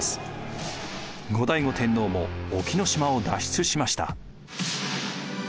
後醍醐天皇も隠岐島を脱出しました。